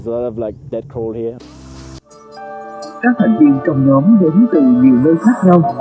các thành viên trong nhóm đến từ nhiều nơi khác nhau